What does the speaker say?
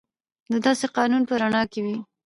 دا د اساسي قانون په رڼا کې وي.